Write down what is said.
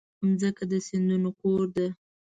مځکه د سیندونو کور ده.